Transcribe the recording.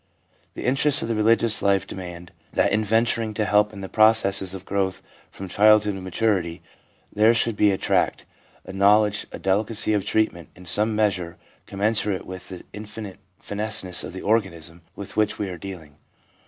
The interests of the religious life demand that in venturing to help in the processes of growth from childhood to maturity there should be a tact, a know ledge, a delicacy of treatment, in some measure com mensurate with the infinite fineness of the organism with which we are dealing.